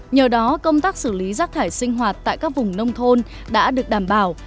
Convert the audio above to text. nhờ đó công tác xử lý rác thải sinh hoạt tại các vùng nông thôn đã được đảm bảo